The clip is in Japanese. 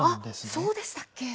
そうでしたっけ？